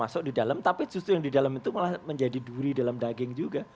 masuk di dalam tapi justru yang di dalam itu malah menjadi duri dalam daging juga